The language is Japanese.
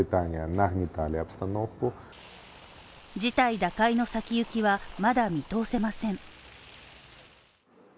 事態打開の先行きはまだ見通せません。